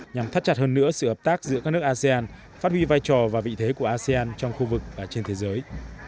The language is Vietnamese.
nhằm thắt chặt hơn nữa sự hợp tác giữa các nước asean phát huy vai trò và vị thế của asean trong khu vực và trên thế giới